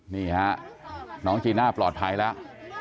นี่ฮะน้องจีน่าปลอดภัยแล้ว